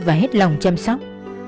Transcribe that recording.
và hết lòng chăm sóc